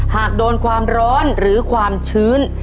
หากโดนความร้อนหรือความชื้น